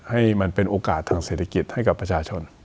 ให้มันเป็นโอกาสทางเศรษฐกิจให้กับประชาชน